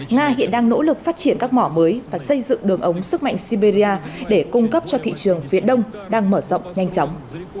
nga hiện đang nỗ lực phát triển các mỏ mới và xây dựng đường ống sức mạnh siberia để cung cấp cho thị trường viện đông đang mở rộng nhanh chóng